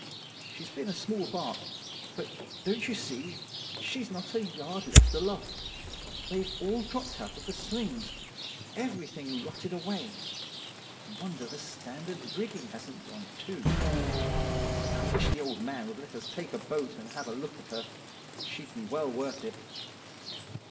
She's been a small barque; but, don't you see, she's not a yard left aloft. They've all dropped out of the slings; everything rotted away; wonder the standing rigging hasn't gone, too. I wish the old man would let us take the boat and have a look at her. She'd be well worth it.